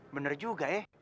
bener juga ya